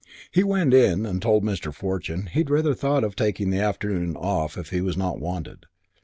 He went in and told Mr. Fortune he rather thought of taking the afternoon off if he was not wanted.